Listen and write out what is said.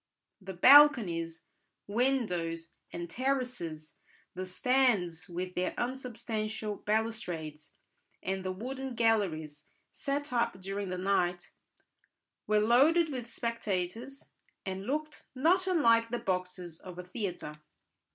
The balconies, windows, and terraces, the stands with their unsubstantial balustrades, and the wooden galleries set up during the night, were loaded with spectators, and looked not unlike the boxes of a theatre.